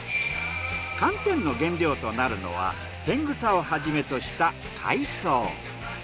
寒天の原料となるのはテングサをはじめとした海藻。